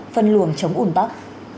phân luồng chống ủng tắc